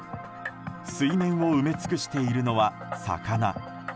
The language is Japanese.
水面を埋め尽くしているのは魚。